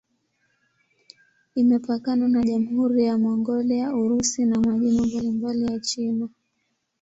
Imepakana na Jamhuri ya Mongolia, Urusi na majimbo mbalimbali ya China.